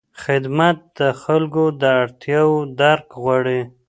خدمت د خلکو د اړتیاوو درک غواړي.